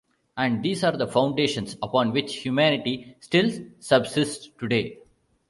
And these are the foundations upon which humanity still subsists today.